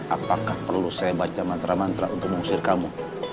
apakah perlu saya baca mantra mantra untuk mengusir kamu